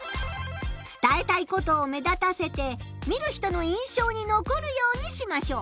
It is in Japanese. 伝えたいことを目立たせて見る人の印象にのこるようにしましょう。